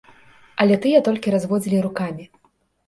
Але тыя толькі разводзілі рукамі.